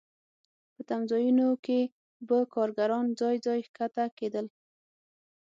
په تمځایونو کې به کارګران ځای ځای ښکته کېدل